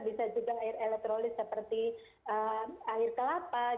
bisa juga air elektrolis seperti air kelapa